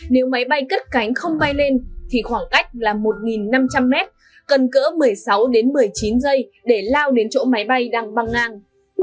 nếu máy bay cất cánh không bay lên thì khoảng cách là một năm trăm linh mét cần cỡ một mươi sáu một mươi chín giây để lao đến chỗ máy bay đang băng ngang